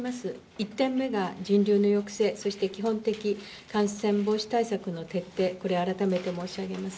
１点目が人流の抑制、そして基本的感染防止対策の徹底、これ、改めて申し上げます。